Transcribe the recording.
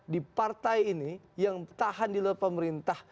di partai ini yang tahan di luar pemerintah